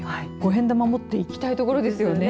５円玉持って行きたいところですよね。